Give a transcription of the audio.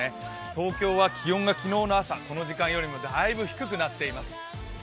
東京は気温が昨日の朝、この時間よりもだいぶ低くなっています。